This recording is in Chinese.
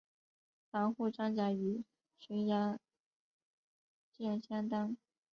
防护装甲与巡洋舰相当。